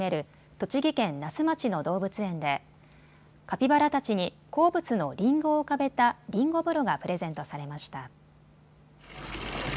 栃木県那須町の動物園でカピバラたちに好物のりんごを浮かべたりんご風呂がプレゼントされました。